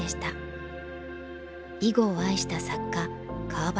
囲碁を愛した作家川端